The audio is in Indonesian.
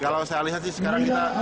kalau saya lihat sih sekarang kita